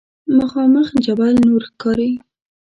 مخامخ جبل نور ښکاري.